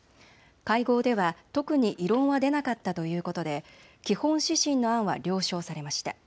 会合では特に異論は出なかったということで基本指針の案は了承されました。